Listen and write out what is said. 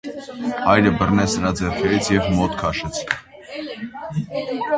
Հայրը բռնեց նրա ձեռքերից և մոտ քաշեց: